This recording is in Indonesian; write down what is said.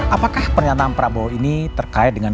apakah pernyataan prabowo ini terkait dengan